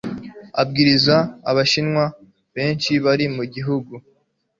abwirize abashinwa benshi bari mu gihugu